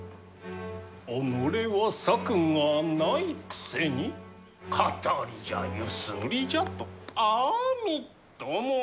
己は策がないくせに騙りじゃゆすりじゃとあみっともない。